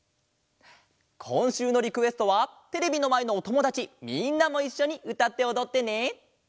こんしゅうのリクエストはテレビのまえのおともだちみんなもいっしょにうたっておどってね！